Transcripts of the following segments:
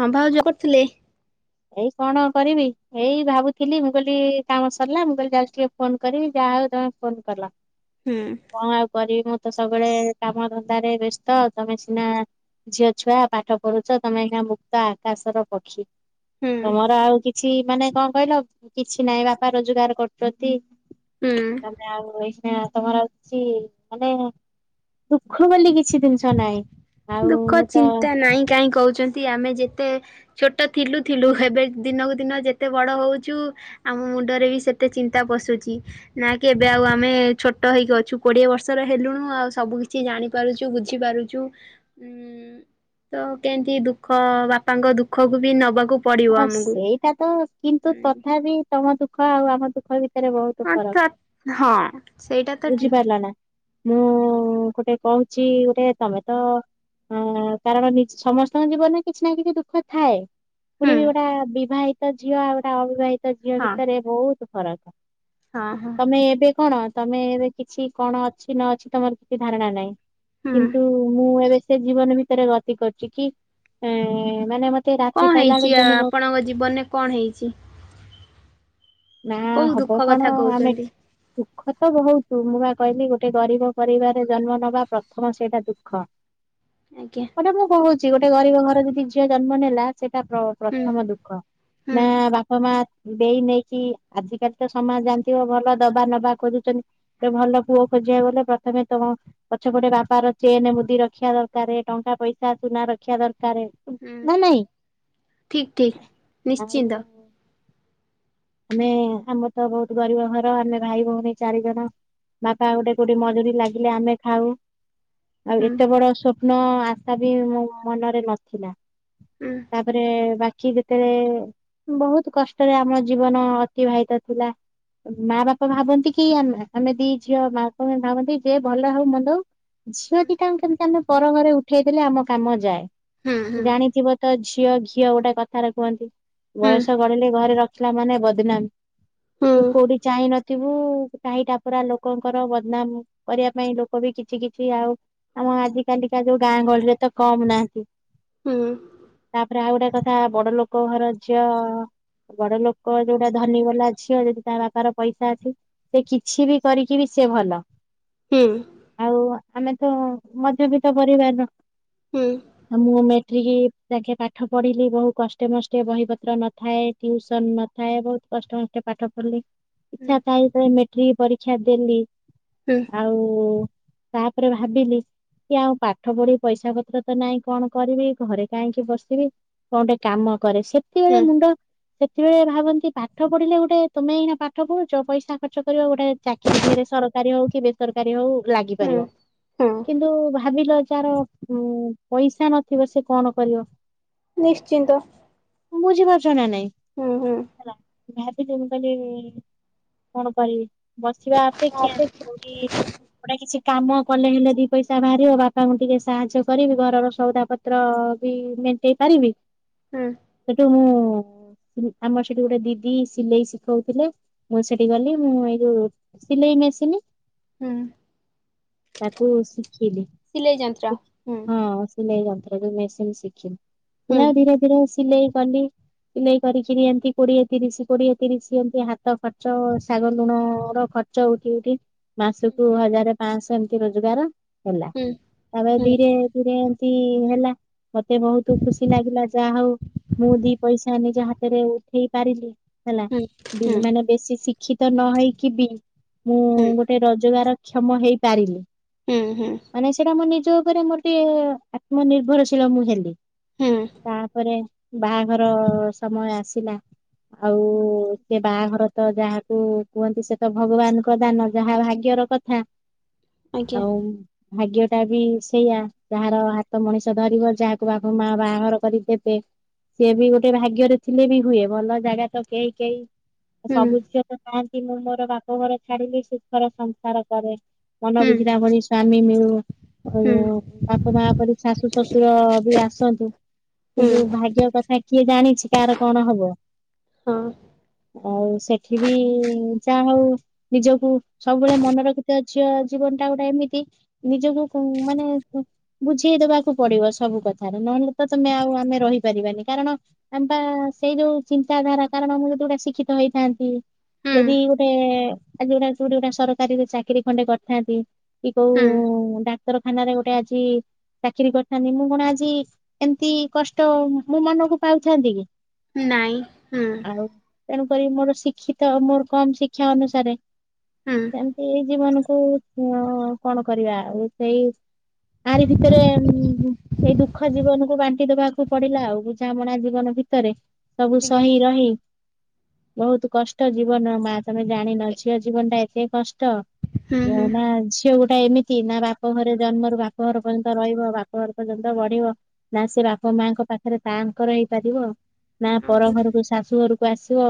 ହଁ ଭାଉଜ କରୁଥିଲେ। ଏଇ କଣ କରିବି, ଏଇ ଭାବୁଥିଲି ମୁଁ କହିଲି କାମ ସରିଲା, ମୁଁ କହିଲି ଯାଉଛିଟିକେ ଫୋନ କରିମି, ଯାହା ହଉ ତମେ ଫୋନ କଲ। ହୁଁ। କଣ ଆଉ କରିବି, ମୁଁ ତ ସବୁବେଳେ କାମ ଧନ୍ଦାରେ ବ୍ୟସ୍ତ, ତମେ ସିନା ଝିଅ ଛୁଆ ପାଠ ପଢୁଛ, ତମେ ଏଇଖିନା ମୁକ୍ତ ଆକାଶର ପକ୍ଷୀ। ହୁଁ ତମର ଆଉ କିଛି ମାନେ କଣ କହିଲ, କିଛି ନାହିଁ ବାପା ରୋଜଗାର କରୁଛନ୍ତି। ହୁଁ। ତମେ ଆଉ ଏଇସିନା, ତମର ଆଉ କିଛି ମାନେ ଦୁଃଖ ବୋଲି କିଛି ଜିନିଷ ନାହିଁ। ଆଉ ଦୁଃଖ ମୁଁ ତ ଚିନ୍ତା ନାହିଁ କାହିଁ କହୁଛନ୍ତି, ଆମେ ଯେତେ ଛୋଟ ଥିଲୁ ଥିଲୁ, ହେବେ ଦିନକୁ ଦିନ ଯେତେ ବଡ ହଉଛୁ ଆମ ମୁଣ୍ଡରେ ବି ସେତେ ଚିନ୍ତା ପଶୁଛି। ନା କି ଏବେ ଆଉ ଆମେ ଛୋଟ ହେଇକି ଅଛୁ, କୋଡିଏ ବର୍ଷର ହେଲୁଣୁ ଆଉ ସବୁ କିଛି ଜାଣି ପାରୁଛୁ ବୁଝି ପାରୁଛୁ। ଉଁ ତ କେମିତି ଦୁଃଖ, ବାପାଙ୍କ ଦୁଃଖକୁ ବି ନବାକୁ ପଡିବ ହଁ ଆମକୁ ସେଇଟା ତ କିନ୍ତୁ ତଥାପି ତମ ଦୁଃଖ ଆଉ ଆମ ଦୁଃଖ ଭି ତରେ ବହୁତ ଫରକ୍। ହଁ ହଁ ସେଇଟା ତ ଠିକ ବୁଝିପାରିଲ ନା। ମୁଁ ଗୋଟେ କହୁଛି ଗୋଟେ ତମେ ତ ହଁ କାରଣ ନି ସମସ୍ତଙ୍କ ଜୀବନରେ କିଛି ନା କିଛି ଦୁଃଖ ଥାଏ। ପୁଣି ହୁଁ ବି ଗୋଟା ବିବାହିତ ଝିଅ ଆଉ ଗୋଟା ଅବିବାହିତ ଝିଅ ହଁ ଭିତରେ ବହୁତ ଫରକ। ହଁ ହଁ ତମେ ଏବେ କଣ ତମେ ଏବେ କିଛି କଣ ଅଛି ନ ଅଛି, ତମର କିଛି ଧାରଣା ନାହିଁ। ହୁଁ କିନ୍ତୁ ମୁଁ ଏବେ ସେ ଜୀବନ ଭିତରେ ଗତି କରୁଛି କି, ଏ ମାନେ ମତେ ରା କଣ ହେଇଛି, ଆପଣଙ୍କ ଜୀବନରେ କଣ ହେଇଛି? ନା କୋଉ ହବ ଦୁଃଖ କଥା କଣ ଆମେ କହୁଛନ୍ତି? ଦୁଃଖ ତ ବହୁତ, ମୁଁ ବା କହିଲି ଗୋଟେ ଗରିବ ପରିବାରରେ ଜନ୍ମ ନବା ପ୍ରଥମ ସେଇଟା ଦୁଃଖ। ଆଜ୍ଞା। ସେଇଟା ମୁଁ କହୁଛି ଗୋଟେ ଗରିବ ଘର ଯଦି ଝିଅ ଜନ୍ମ ନେଲା ସେଟା ହୁଁ ପ୍ର-ପ୍ରଥମ ଦୁଃଖ ହୁଁ ନା ବାପା ମା ଦେଇ ନେଇକି କି ଆଜିକାଲି ତ ସମାଜ ଜାଣିଥିବ ଭଲ ଦବା ନବା ଖୋୁଛନ୍ତି। ଗୋଟେ ଭଲ ପୁଅ ଖୋଜିବାକୁ ଗଲେ ପ୍ରଥମେ ତମ ପଛପୋଟେ ବାପ ର ଚେନ୍ ମୁଦି ରଖିବା ଦରକାରେ, ଟଙ୍କା, ପଇସା, ସୁନା ରଖିବା ଦରକାରେ। ହୁଁ ନା ନାଇଁ? ଠିକ ଠିକ ଆଉ ନିଶ୍ଚିନ୍ତ ଆମେ ଆମ ତ ବହୁତ ଗରିବ ଘର ଆମେ ଭାଇ ଭଉଣୀ ଚାରିଜଣ। ବାପା ଗୋଟେ କୋଉଠି ମଜୁରୀ ଲାଗିଲେ ଆମେ ଖାଉ। ଆଉ ହୁଁ ଏତେ ବଡ ସ୍ଵପ୍ନ ଆଶା ବି ମୋ ମନରେ ନଥିଲା। ହୁଁ ତାପରେ ବାକି ଯେତେବେଳେ ବହୁତ କଷ୍ଟରେ ଆମ ଜୀବନ ଅତିବାହିତ ଥିଲା। ମା ବାପା ଭାବନ୍ତି କି, ଆେ ଆମେ ଦି ଝିଅ ମା ବାପ ଭାବନ୍ତି ଯେ ଭଲ ହଉ ମନ୍ଧ ହଉ। ଝିଅ ଦିଟାଙ୍କୁ କେମିତି ଆମେ ପର ଘରେ ଉଠେଇଦଲେ ଆମ କାମ ହୁଁ ହୁଁ ଯାଏ। ଜାଣିଥିବ ତ ଝିଅ ଘିଅ ଗୋଟେ କଥାରେ କୁହନ୍ତି। ହୁଁ ବୟସ ଗଢିଲେ ଘରେ ରଖିଲା ମାନେ ବଦନାମ। ତୁ କଉଟି ଚାହିଁ ନ ଥିବୁ। ଟାହି ଟାପୁରା ଲୋକଙ୍କର ବଦନାମ କରିବା ପାଇଁ, ଲୋକ ବି କିଛି କିଛି ଆଉ ଆମ ଆଜିକାଲିକା ଯୋଉ ଗାଁ ଗହଳିରେ ତ କମ ନାହାନ୍ତି। ହୁଁ ତାପରେ ଆଉ ଗୋଟେ କଥା ବଡ ଲୋକ ଘର ଝିଅ ବଡ ଲୋକ ଯୋଉଟା ଧନୀ ବାଲା ଝିଅ, ଯଦି ତା ବାପାର ପଇସା ଅଛି। ସେ କିଛି ବି କରିକି ବି ସେ ଭଲ। ହୁଁ। ଆଉ ଆମେ ତ ମଧ୍ୟବିତ୍ତ ପରିବାରର। ହୁଁ ମୁଁ ମେଟ୍ରିକି ଯାଙ୍କେ ପାଠ ପଢିଲି, ବହୁ କଷ୍ଟେ ମଷ୍ଟେ ବହି ପତ୍ର ନଥାଏ। ଟୁଉସନ ନଥାଏ, ବହୁତ କଷ୍ଟମଷ୍ଟେ ପାଠ ପଢ଼ିଲି। ଇଚ୍ଛା ଥାଏ ଯେ ମେଟ୍ରି ଟ୍ରିକ ପରୀକ୍ଷା ଦେଲି। ହୁଁ। ଆଉ ତାପରେ ଭାବିଲି କି ଆଉ ପାଠପଢି, ପଇସା ପତ୍ର ତ ନାଇଁ କଣ କରିବି? ଘରେ କାହିଁକି ବସିବି? କଣ ଗୋଟେ କାମ କରେ। ସେ ହୁଁ। ସେତେବେଳେ ଭାବନ୍ତି ପାଠ ପଢିଲେ ଗୋଟେ ତମେ ଏଇନା ପାଠ ପଢୁଛ, ପଇସା ଖର୍ଚ୍ଚ କରିବା ଗୋଟେ ଚାକିରି ଦିହରେ ସରକାରୀ ହଉ କି ବେସରକାରୀ ହଉ ହୁଁ ଲାଗିପାରିବ। ହୁଁ କିନ୍ତୁ ଭାବିଲ ଯାର ଉଁ ପଇସା ନଥିବ। ସେ କଣ କରିବ? ନିଶ୍ଚିନ୍ତ। ବୁଝିପାରୁଛ ନା ନାଇଁ? ହୁଁ ହୁଁ। ହେଲା ଭାବିିଲି ମୁଁ କହିଲି, କଣ କରିବି? ବସିବା ଅପେକ୍ଷା ହୁଁ କୋଉଠି ଗୋଟେ କିଛି କାମ କଲେ ହେଲେ ଦି ପଇସା ବାହାରିବ। ବାପାଙ୍କୁ ଟିକେ ସାହାଯ୍ୟ କରିବି। ଘରର ସଉଦା ପତ୍ର ବି ମେଣ୍ଟେଇ ପାରିବି। ହୁଁ। ସେଠୁ ମୁଁ ଉହୁ ଆମର ସେଠି ଗୋଟେ ଦିଦି ସିଲେଇ ଶିଖଉଥିଲେ, ମୁଁ ସେଠି ଗଲି। ମୁଁ ଏଇ ଯୋଉ ସିଲେଇ ମେସିନ। ହୁଁ ତାକୁ ଶିଖିଲି। ସିଲେଇ ଯନ୍ତ୍ର। ହୁଁ ହଁ ସିଲେଇ ଯନ୍ତ୍ର ଯୋଉ ମେସିନ୍ ଶିଖିଲି। ହୁଁ ପିଲା ଧୀରେ ସେଥିରେ ସିଲେଇ କଲି ସିଲେଇ କରିକିରି ଏମିନ୍ତି କୋଡିଏ, ତିରିଶ, କୋଡିଏ, ତିରିଶ ଏମତି। ହାତ ଖର୍ଚ୍ଚ, ଶାଗ ଲୁଣର ଖର୍ଚ୍ଚ ଚଉକି ଉଠି ହୁଁ ମାସକୁ ହଜାର, ପାଞ୍ଚଶହ ଏମତି ରୋଜଗାର ହେଲା। ହୁଁ। ତାପରେ ହୁଁ ଧୀରେ ଧୀରେ ଏମତି ହେଲା। ମତେ ବହୁତ ଖୁସି ଲାଗିଲା। ଯାହା ହଉ ମୁଁ ଦି ପଇସା ନିଜ ହାତରେ ଉଠେଇ ପାରିଲି। ହେଲା ହୁଁ ହୁଁ ମାନେ ବେଶୀ ଶିକ୍ଷିତ ନ ହେଇକି ବି ମୁଁ ଗୋଟେ ସେ ରୋଜଗାର କ୍ଷମ ହେଇପାରିଲେ। ହୁଁ ହୁଁ। ମାନେ ସେଇଟା ମୋ ନିଜ ଉପରେ ମୋର ଟିକେ ଆତ୍ମ ନିିର୍ଭରଶୀଳ, ମୁଁ ହେଲି। ହୁଁ ତାପରେ ବାହାଘର ସମୟ ଆସିଲା। ଆଉ ସେ ବାହାଘର ତ ଯାହାକୁ କୁହନ୍ତି ସେ ତ ଭଗବାନଙ୍କ ଦାନ। ଯାହା ଭାଗ୍ୟର କଥା। ଆଜ୍ଞା ଆଉ ଭାଗ୍ୟଟା ବି ସେଇଆା ଯାହାର ହାତ ମଣିଷ ଧରିବ ଯାହାକୁ ବାପ ମା ବାହଘର କରି ଦେବେ ସିଏ ବି ଗୋଟେ ଭାଗ୍ୟରେ ଥିଲେ ବି ହୁଏ ଭଲ ଜାଗା ତ କେହି କେହି ହୁଁ ସବୁ ଝିଅ ତ ଚାହାନ୍ତି ମୁଁ ମୋର ବାପଘର ଛାଡିଲି ସୁଖର ସଂସାର କରେ। ମନ ହୁଁ ବୁଝିଲା ଭଳି ସ୍ଵାମୀ ମିଳୁ। ଆଉ ହୁଁ ବାପା ମା ପରି ଶାଶୁ ଶଶୁର ବି ଆସନ୍ତୁ। ହୁଁ କିନ୍ତୁ ଭାଗ୍ୟ କଥ୍ ଥା କିଏ ଜାଣିଚି କାଆର କଣ ହବ? ହଁ। ଆଉ ସେଠି ବି ଯାହାହଉ ନିଜକୁ ସବୁବେଳେ ମନେ ରଖିଥି ଝିଅ ଜୀବନଟା ଗୋଟେ ଏମିତି ନିଜକୁ କୁ ମାନେ ବୁଝେଇଦବାକୁ ପଡିବ ସବୁ କଥାରେ ନହେଲେ ତ ତମେ ଆଉ ଆମେ ରହିପାରିବାନି। କାରଣ ଆମ ପା ସେଇ ଯୋଉ ଚିନ୍ତାଧାରା କାରଣ ମୁଁ ଯଦି ଗୋଟେ ଶିକ୍ଷିତ ହେଇଥାନ୍ତି ହୁଁ ଯଦି ଗୋଟେ ଆଜି ଗୋଟାଏ କୋଉଠି ଗୋଟାଏ ସରକାରୀ ରେ ଚାକିରି ଖଣ୍ଡେ କରିଥାନ୍ତି କି ହୁଁ କୋଉ ଡାକ୍ତରଖାନାରେ ଗୋଟେ ଆଜି ଚାକିରୀ କରିଥାନ୍ତି ମୁଁ କଣ ଆଜି ଏମତି କଷ୍ଟ ମୋ ମନକୁ ପାଉଥାନ୍ତି କି? ନାଇଁ ହୁଁ। ଆଉ ତେଣୁକରି ମୋର ଶିକ୍ଷିତ ମୋର କମ୍ ଶିକ୍ଷା ଅନୁସାରେ ହୁଁ। ଏମିତି ଏଇ ଜୀବନକୁ କଣ କରିବା ଆଉ ସେଇ ଆାରି ଭିତରେ ଉଁ ହୁଁ ଏଇ ଦୁଃଖ ଜୀବନକୁ ବାଣ୍ଟି ଦବାକୁ ପଡିଲା ଆଉ ବୁଝାମଣା ଜୀବନ ଭିତରେ ସବୁ ଆଜ୍ଞା ସହି ରହି ବହୁତ୍ କଷ୍ଟ ଜୀବନର ମା। ତମେ ଜାଣିନ ଝିଅ ଜୀବନଟା ଏତେ କଷ୍ଟ। ହୁଁ ହୁଁ ନା ଝିଅ ଗୋଟାଏ ଏମିତି ନା ବାପ୍ ବାପ ଘରେ ଜନ୍ମରୁ ବାପଘର ପର୍ଯ୍ୟନ୍ତ ରହିବ ବାପଘର ପର୍ଯ୍ୟନ୍ତ ବଢିବ ନା ସେ ବାପ ମାଆଙ୍କ ପାଖ ପାଖରେ ତାଙ୍କର ହେଇପାରିବ ନା ପର ଓହୋ ଘରକୁ ଶାଶୁ ଘରକୁ ଆସିବ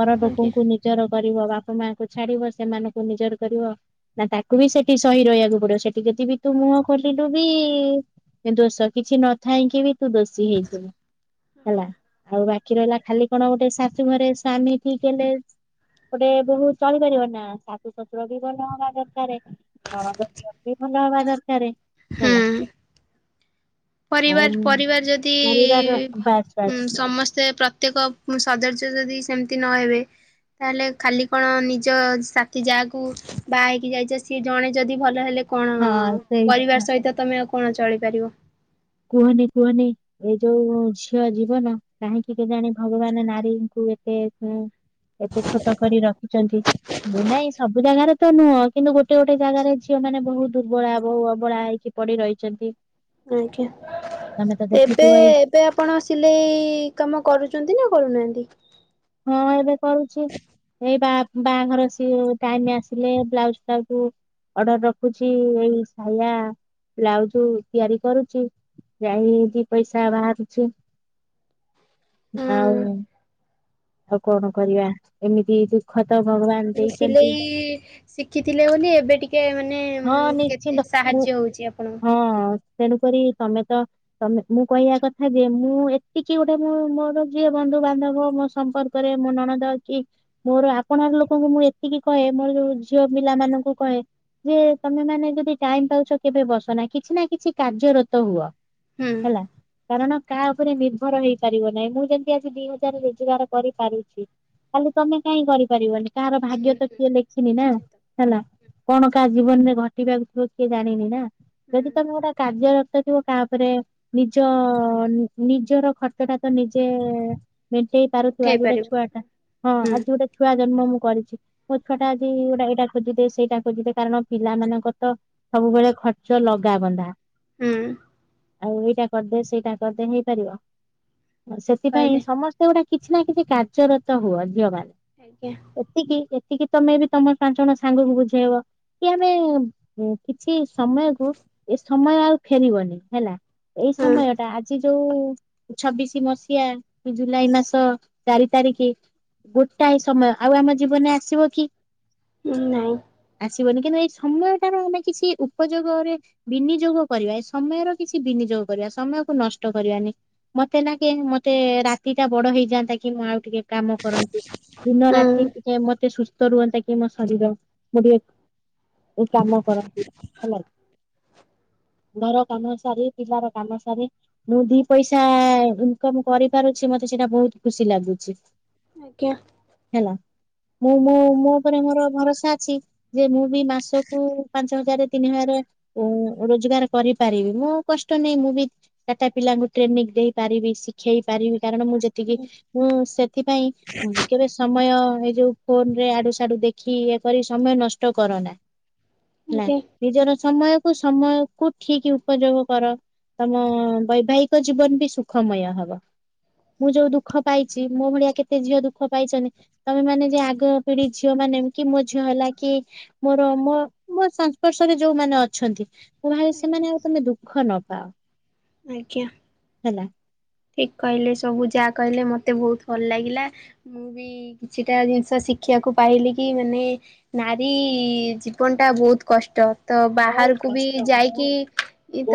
ପର ଆଜ୍ଞା। ଲୋକଙ୍କୁ ନି ନିଜର କରିବ ବାପ ମାଆଙ୍କୁ ଛାଡିବ ସେମାନଙ୍କୁ ନିଜର କରିବ। ନା ତାକୁ ବି ସେଠି ସହି ରହିବାକୁ ପଡିବ ସେଠି ସେଠି ଯେଦିବି ତୁ ମୁହଁ ଖୋଲିଲୁ ବି ଦୋଷ କିଛି ନଥାଇକି ବି ତୁ ଦୋଷ ଶୀ ହେଇଯିବୁ ହେଲା। ଆଜ୍ଞା। ଆଉ ବାକି ରହିଲା ଖାଲି କଣ ଗୋଟେ ଶାଶୁଘରେ ସ୍ଵାମୀ ଠିକ ହେଲେ ଗୋଟେ ବୋହୁ ଚଳିପାରିବ ନା ଶାଶୁ ଶଶୁର ବି ଭଲ ହବା ଦରକାରେ ନଣନ୍ଦ ଦିଅ ର ବି ଭଲ ହବା ଦରକାରେ। ହୁଁ। ଆଉ ପରିବାର ପରିବାର ଯଦି ପରିବାର ବାସ୍ ବାସ୍ ଭ-ସମସ୍ତେ ପ୍ରତ୍ୟେକ ଉଁ ସଦର୍ଯ୍ୟ ଯଦି ସେମିତି ନହବେ ତାହେଲେ ଖାଲି କଣ ନିଜ ସାଥି ଯାହାକୁ ବାହା ହେଇକି ଯାଇଚ ସିଏ ଜଣେ ଯଦି ଭଲହେଲେ କଣ ହଁ ସେଇ କଥା ପରିବାର ସହିତ ତମେ ଆଉ କଣ ଚଳିପାରିବ? କୁହନି କୁହନି ଏଇ ଯୋଉ ଝିଅ ଜୀବନ କାହିଁକି କେଜାଣି ଭଗବାନ ନାରୀଙ୍କୁ ଏତେ ସ ଏତେ ଛୋଟ କରି ରଖିଚନ୍ତି। ନାଇଁ ସବୁ ଜାଗାରେ ତ ନୁହଁ କିନ୍ତୁ ଗୋଟେ ଗୋଟେ ଜାଗାରେ ଝିଅ ମାନେ ବହୁ ଦୁର୍ବଳା ବହୁ ଅବଳା ହେଇକି ପଡି ରହିଚନ୍ତି। ଆଜ୍ଞା ଏବେ ଦେଖୁଥିବ ଏଇ ଏବେ ଆପଣ ସିଲେଇ କାମ କରୁଚନ୍ତି ନା କରୁନାହାନ୍ତି? ହଁ ଏବେ କରୁଛି ଏଇ ବା ବାହାଘର ସିଏ ଟାଇମ ଆସିଲେ ବ୍ଲାଉଜ ଫାଉଜୁ ଅର୍ଡର ରଖୁଛି ଏଇ ସାୟା ବ୍ଲାଉଜ ତିଆରି କରୁଛି। ଯାଇ ଦି ପଇସା ବାହାରୁଛି ଆଉ। ହୁଁ ଆଉ କଣ କରିବା ଏମିତି ଦୁଃଖ ତ ଭଗବାନ ଦେଇ ସିଲେଇ ଶିଖିଥିଲେ ବୋଲି ଏବେ ଟିକେ ମାନେ ହଁ କେତେ ନିଶ୍ଚିନ୍ତ ମୁଁ ସାହାଯ୍ୟ ହଉଛି ଆପଣ କୁ ହଁ ତେଣୁକରି ତମେ ତ ତମେ ମୁଁ କହିବା କଥା ଯେ ମୁଁ ଏତିକି ଗୋଟେ ମୁଁ ମୋର ଯିଏ ବନ୍ଧୁ ବାନ୍ଧବ ମୋ ସମ୍ପର୍କରେ ମୋ ନଣନ୍ଦ ଅଛି। ମୋର ଆପଣ ଲୋକଙ୍କୁ ମୁଁ ଏତିକି କହେ ମୋର ଯୋଉ ଝିଅ ପିଲା ମାନଙ୍କୁ କହେ ଯେ ତମେ ମାନେ ଯଦି ଟାଇମ ପାଉଛ କେବେ ବସ ନା କିଛି ନା କିଛି କାର୍ଯ୍ୟରତ ହୁଅ। ହୁଁ ହେଲା କାରଣ କାହା ଉପରେ ନିର୍ଭର ହେଇପାରିବ ନାହିଁ ମୁଁ ଯେମତି ଆଜି ଦି ହଜାର ରୋଜଗାର କରିପାରୁଛି ଖାଲି ତମେ କାହିଁ କରିପାରିବନି କାହାର ହୁଁ ହୁଁ। ଭାଗ୍ୟ ତ କିଏ ଲେଖିନି ନା? ନିଶ୍ଚିତ ହେଲା କଣ କାହା ଜୀବନରେ ଘଟିବାକୁ ଥିବ କିଏ ଜାଣିନି ନା ଯଦି ହୁଁ ତମେ ଗୋଟେ କାର୍ଯ୍ୟର ଥିବ କାହାପରେ ନିଜ ନିଜର ଖର୍ଚ୍ଚ ଟା ତ ନିଜେ ମେଟେଇ ପାରୁଥିବ ଉଠେଇ ଆଜି ଗୋଟେ ପାରିବୁ ଛୁଆଟା ହଁ ହୁଁ ଆଜି ଗୋଟେ ଛୁଆ ଜନ୍ମ ମୁଁ କରିଛି? ମୋ ଛୁଆଟା ଆଜି ଗୋଟା ଏଇଟା ଖୋଜିଦେ ସେଇଟା ଖୋଜିଦେ କାରଣ ପିଲାମାନାନଙ୍କ ତ ସବୁବେଳେ ଖର୍ଚ୍ଚ ଲଗାାବନ୍ଧା। ହୁଁ। ଆଉ ଏଇଟା କରିଦେ ସେଇଟା କରିଦେ ହେଇପାରିବ ଠିକ ସେଥିପାଇଁ କହିଲେ। ସମସ୍ତେ ଗୋଟା କିଛି ନା କିଛି କାର୍ଯ୍ୟରତ ହୁଅ ଝିଅ ମାନ। ଆଜ୍ଞା। ଏତିକି ଏତିକି ତମେ ବି ତମର ପାଞ୍ଚ ଜଣ ସାଙ୍ଗକୁ ବୁଝେଇବ। କି ଆମେ କିଛି ସମୟକୁ ଏ ସମୟ ଆଉ ଫେରିବନି ହେଲା। ଏଇ ସମୟ ହଁ ଟା ଆଜି ଯୋଉ ଛବିଶି ମସିହା ଜୁଲାଇ ମାସ ତ ଚାରି ତାରିଖ ଗୋଟାଏ ସମୟ ଆଉ ଆମ ଜୀବନରେ ଆସିବ କି? ନାଇଁ। ଆସିବନି କିନ୍ତୁ ଏଇ ସମୟଟାର ମାନେ କିଛି ଉପଯୋଗରେ ବିନିଯୋଗ କରିବା ଏ ସମୟର କିଛି ବିନିଯୋଗ କରିବା ସମୟକୁ ନଷ୍ଟ କରିବାନି। ମତେ ନା କେ ମତେ ରାତି ଟା ବଡ ହେଇ ଯାଆନ୍ତା କି ମୁଁ ଆଉ ଟିକେ କାମ କରନ୍ତୁ ଦିନ ହଁ ରାତି ଟିକେ ମତେ ସୁସ୍ଥ ସୁସ୍ଥ ରହନ୍ତା କି ମୋ ଶରୀର ମୁଁ ଟିକେ କାମ କରନ୍ତି ହେଲା କି? ଘର କାମ ସାରି ପିଲାର କାମ ସାରି। ମୁଁ ଦି ପଇସା ଇନକମ କରିପାରୁଛି ମତେ ସେଇଟା ବହୁତ ଖୁସି ଲାଗୁଛି। ଆଜ୍ଞା। ହେଲା ମୁଁ ମୁଁ ମୋ ଉପରେ ମୋର ଭରସା ଅଛି। ଯେ ମୁଁ ବି ମାସକୁ ପାଞ୍ଚ ହଜାର ତିନି ହଜାର ଓ ରୋଜଗାର କରିପାରିବି ମୁଁ କଷ୍ଟ ନେଇହି ମୁଁ ବି ଚା ଟା ପିଲାଙ୍କୁ ଟ୍ରେନିଂ ଦେଇପାରିବି ଶିଖେଇ ପାରିବି କାରଣ ମୁଁ ଯେତିକି ହୁଁ ସେଥିପାଇଁ କେବେ ସମୟ ଏ ଯୋଉ ଫୋନ ରେ ଆଡୁ ସଡୁ ଦେଖି କି ଇଏ କରି ସମୟ ନଷ୍ଟ କର ନା ହେଲା। ଆଜ୍ଞା ନିଜର ସମୟକୁ ସମୟ କୁ ଠିକ ଉପଯୋଗ କର। ତମ ବୈବାହିକ ଜୀବନ ବି ସୁଖମୟ ହବ ମୁଁ ଯୋଉ ଦୁଃଖ ଦୁଃଖ ପାଇଚି। ମୋ ଭଳିଆ କେତେ ଝିଅ ଦୁଃଖ ପାଇଚନି। ତମେ ମାନେ ଯିଏ ଆଗ ପିଢି ଝିଅମାନେ କି ମୋ ଝିଅ ହେଲା କି ମୋର ମୋ ମୋ ସଂସ୍ପର୍ଶରେ ଯୋଉମାନେ ଅଛନ୍ତି ମୁଁ ଭାବେ ସେମାନେ ଆଉ ତମେ ଦୁଃଖ ନ ପାଅ। ଆଜ୍ଞା। ହେଲା। ଠିକ୍ କହିଲେ ସବୁ ଯାହା କହିଲେ ମତେ ବହୁତ ଭଲ ଲାଗିଲା। ମୁଁ ବି କିଛିଟା ଜିନିଷ ଶିଖିଆକୁ ପାଇଲି କି ମାନେ ନାରୀ ଜୀବନଟା ବହୁତ୍ କଷ୍ଟ। ତ ବହୁତ ବାହାରକୁ ବି କଷ୍ଟ ଯାଇକି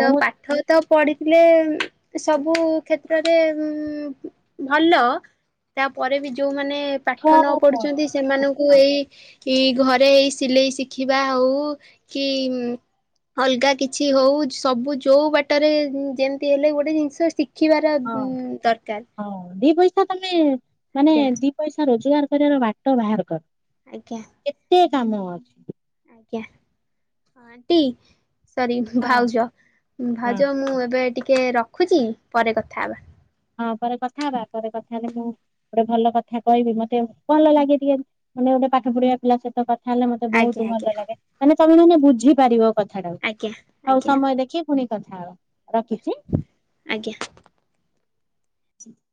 ତ ପାଠ ତ ପଢିଥିଲେ ଏ ସବୁ କ୍ଷେତ୍ରରେ ଭଲ ତାପରେ ବି ଯୋଉମାନେ ପାଠ ନ ବହୁତ ପଢୁ ଚନ୍ତି ସେମାନଙ୍କୁ ପରିଶ୍ରମ ଏଇ ଇ ଘରେ ଏଇ ସିଲେଇ ଶିଖିବା ହଉ କି ଅଲଗା କିଛି ହଉ ସବୁ ଯୋଉ ବାଟରେ ଯେମିତି ହେଲେ ଗୋଟେ ଜିନିଷ ଶଖ୍ ଶିଖିବାର ହଁ ଦରକାର୍। ହଁ ଦି ପଇସା ତମେ ମାନେ ଦି ପଇସା ରୋଜୋଗାର କରିବାର ବାଟ ବାହାର କର। ଆଜ୍ଞା। କେତେ କାମ ଅଛି। ଆଜ୍ଞା ଆଣ୍ଟି ସରି ହଁ ଭାଉଜ ହଁ। ଭାଉଜ ମୁଁ ଏବେ ଟିକେ ରଖୁଚି ପରେ କଥା ହବା। ହଁ ପରେ କଥାହବା ପରେ କଥାହେଲେ ମୁଁ ଗୋଟେ ଭଲ କଥା କହିବି ମତେ ଭଲ ଲାଗେ ଟିକେ ମାନେ ଗୋଟେ ପାଠ ପଢିବା ପିଲା ସହିତ କଥା ଥାହେଲେ ମତେ ଆଜ୍ଞା ବହୁତୁ ଆଜ୍ଞା ଭଲଲାଗେ ମାନେ ତମେ ମାନେ ବୁଝିପାରିବ। କଥାଟାକୁ। ଆଜ୍ଞା ହଉ ଆଜ୍ଞା ସମୟ ଦେଖିକି ପୁଣି କଥା ହବା ଆଜ୍ଞା ରଖୁଚି। ଆଜ୍ଞା। ଆଜ୍